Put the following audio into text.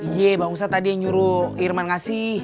iya bang ustadz tadi yang nyuruh irman ngasih